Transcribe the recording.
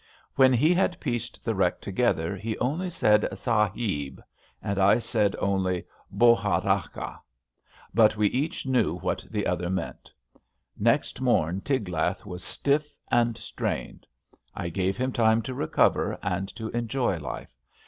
When he had pieced the wreck together, he only said, Sahib 1 and I said only '* Bohat acha. '* But we each knew what the other meant. Next mom Tiglath was stiff and strained. I gave him time to recover and to enjoy life.